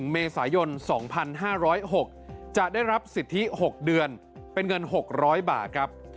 เมษายน๒๕๐๖จะได้รับสิทธิ๖เดือนเป็นเงิน๖๐๐บาทครับ